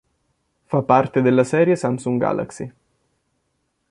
Fa parte della serie Samsung Galaxy.